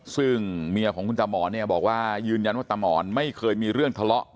ซึ่งเมียของคุณตามอนเนี่ยบอกว่ายืนยันว่าตามอนไม่เคยมีเรื่องทะเลาะ